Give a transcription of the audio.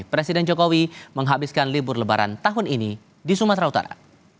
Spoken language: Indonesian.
presiden jokowi menghabiskan libur lebaran tahun ini di sumatera utara